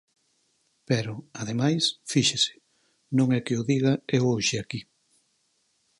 Pero, ademais, fíxese, non é que o diga eu hoxe aquí.